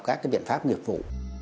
các cái biện pháp nghiệp vụ